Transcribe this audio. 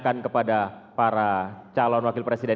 diberikan kepada para calon wakil presiden